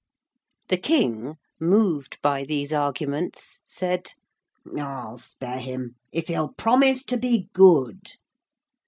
The King, moved by these arguments, said: 'I'll spare him if he'll promise to be good.'